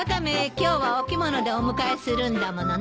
今日はお着物でお迎えするんだものね。